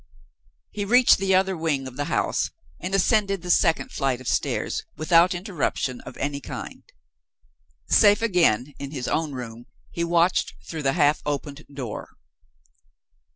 He reached the other wing of the house, and ascended the second flight of stairs, without interruption of any kind. Safe again in his own room, he watched through the half opened door.